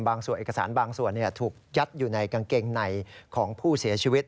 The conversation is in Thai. เอกสารบางส่วนถูกยัดอยู่ในกางเกงในของผู้เสียชีวิต